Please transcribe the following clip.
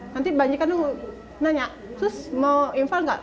nanti banyak nanya terus mau infal nggak